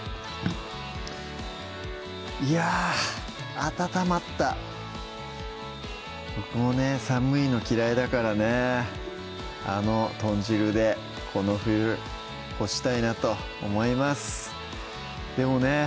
いやぁ温まった僕もね寒いの嫌いだからねあの豚汁でこの冬越したいなと思いますでもね